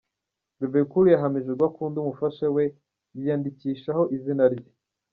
Bebe Cool yahamije urwo akunda umufasha we yiyandikishaho izina rye.